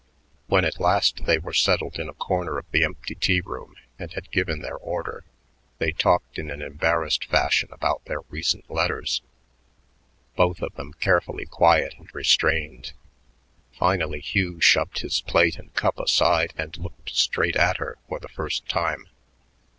When at last they were settled in a corner of the empty tea room and had given their order, they talked in an embarrassed fashion about their recent letters, both of them carefully quiet and restrained. Finally Hugh shoved his plate and cup aside and looked straight at her for the first time.